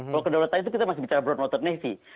kalau kedaulatannya itu kita masih bicara tentang northern navy